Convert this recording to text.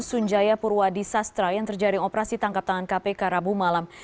sunjaya purwadi sastra yang terjaring operasi tangkap tangan kpk rabu malam